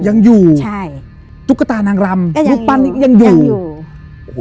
ยังอยู่ใช่จุ๊กตานางรำก็ยังอยู่ลูกปั้นนี้ยังอยู่ยังอยู่